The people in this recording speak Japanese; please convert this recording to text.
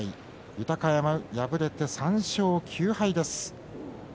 豊山、敗れて３勝９敗です。